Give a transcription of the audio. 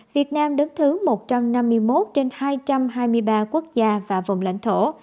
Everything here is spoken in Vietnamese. việt nam đứng thứ một trăm năm mươi một trên hai trăm hai mươi ba quốc gia và vùng lãnh thổ